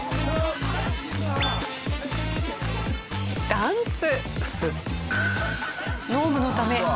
ダンス。